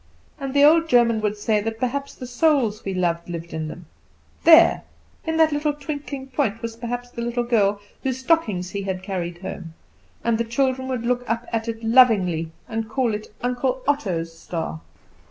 And the old German would say that perhaps the souls we loved lived in them; there, in that little twinkling point was perhaps the little girl whose stockings he had carried home; and the children would look up at it lovingly, and call it "Uncle Otto's star."